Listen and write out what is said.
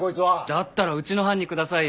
だったらうちの班にくださいよ。